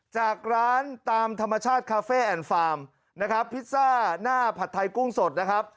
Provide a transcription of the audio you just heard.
จากร้านตามธรรมชาติคาเฟ่แอนด์ฟาร์มนะครับพิซซ่าหน้าผัดไทยกุ้งสดนะครับ